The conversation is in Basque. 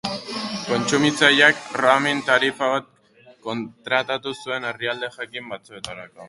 Kontsumitzaileak roaming tarifa bat kontratatu zuen herrialde jakin batzuetarako.